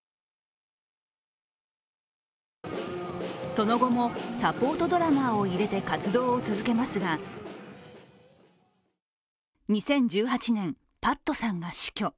その後もサポートドラマーを入れて活動を続けますが、２０１８年、パットさんが死去。